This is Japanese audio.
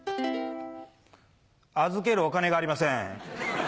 預けるお金がありません。